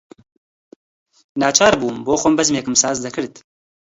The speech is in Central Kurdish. ناچار بووم بۆخۆم بەزمێکم ساز دەکرد